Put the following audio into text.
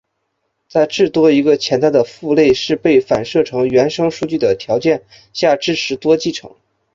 在至多一个潜在的父类是被反射成原生数据的条件下支持多继承。